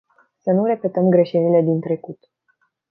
Să nu repetăm greșelile din trecut!